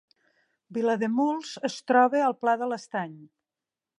Vilademuls es troba al Pla de l’Estany